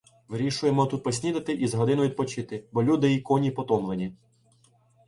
Вирішуємо тут поснідати і з годину відпочити, бо люди й коні потомлені.